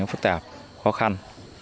phức tạp khó khăn